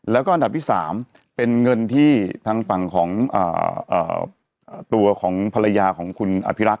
แล้วก็อันดับที่๓เป็นเงินที่ทางฝั่งของตัวของภรรยาของคุณอภิรักษ